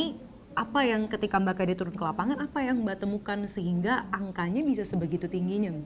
ini apa yang ketika mbak kade turun ke lapangan apa yang mbak temukan sehingga angkanya bisa sebegitu tingginya